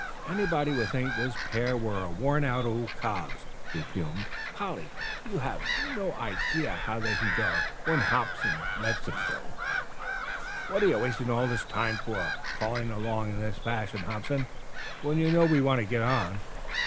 "Anybody would think this pair were worn out old cobs," he fumed. "Polly, you have no idea how they can go, when Hobson lets them out. What are you wasting all this time for, crawling along in this fashion, Hobson, when you know we want to get on?"